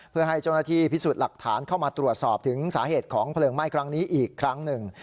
เพื่อให้เจ้าหน้าที่พิสูจน์หลักฐานเข้ามาตรวจสอบถึงสาเหตุของเพลิงไหม้ครั้งนี้อีกครั้งหนึ่ง